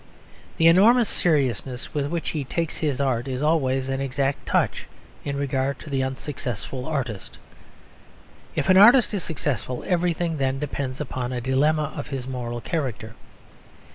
The enormous seriousness with which he takes his art is always an exact touch in regard to the unsuccessful artist. If an artist is successful, everything then depends upon a dilemma of his moral character.